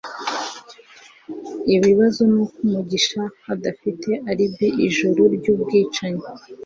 ikibazo nuko mugisha adafite alibi ijoro ryubwicanyi